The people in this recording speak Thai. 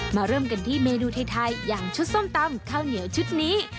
เริ่มกันที่เมนูไทยอย่างชุดส้มตำข้าวเหนียวชุดนี้